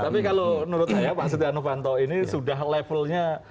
tapi kalau menurut saya pak setia novanto ini sudah levelnya